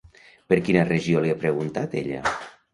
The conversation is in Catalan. Per quina regió li ha preguntat ella?